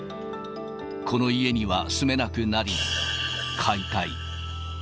この家には住めなくなり、解体。